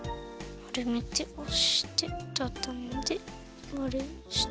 まるめておしてたたんでまるにして。